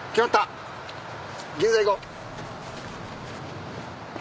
銀座行こう。